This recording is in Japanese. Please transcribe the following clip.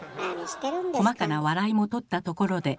細かな笑いもとったところで。